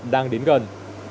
đang đến gần